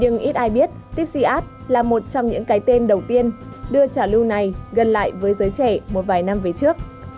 nhưng ít ai biết tipsiat là một trong những cái tên đầu tiên đưa trả lưu này gần lại với giới trẻ một vài năm về trước